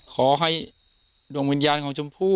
ขอให้ดวงวิญญาณของชมพู่